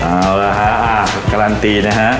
เอาละฮะการันตีนะฮะ